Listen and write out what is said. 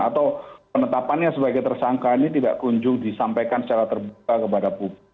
atau penetapannya sebagai tersangka ini tidak kunjung disampaikan secara terbuka kepada publik